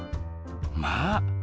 まあ！